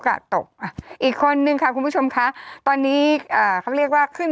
อากาศตกอ่ะอีกคนนึงค่ะคุณผู้ชมค่ะตอนนี้อ่าเขาเรียกว่าขึ้น